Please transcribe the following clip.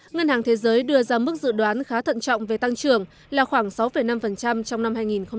ngân hàng thế giới đưa ra mức dự đoán khá thận trọng về tăng trưởng là khoảng sáu năm trong năm hai nghìn hai mươi